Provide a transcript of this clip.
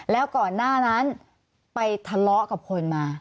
แล้วก่อนหน้านั้นไปทะเลาะกับคนมา